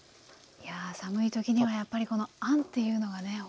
いや寒い時にはやっぱりこのあんっていうのがね